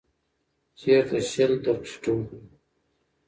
چیرته شل درکښې ټومبلی